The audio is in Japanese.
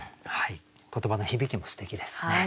言葉の響きもすてきですね。